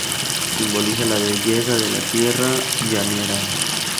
Simboliza la belleza de la tierra llanera.